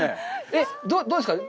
えっ、どうですか。